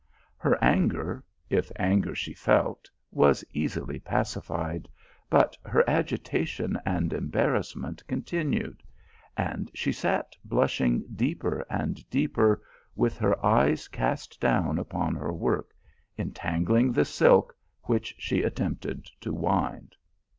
Her anger, if anger she felt, was easily pacined ; but her agitation and embarrassment continued, and she sat blushing deeper and deeper, with her eyes cast down upon her work, entangling the silk which she attempted to wind.